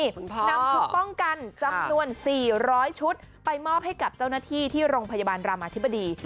นำชุดป้องกันจำนวน๔๐๐ชุดไปมอบให้กับเจ้าหน้าที่ที่โรงพยาบาลรามาธิบดี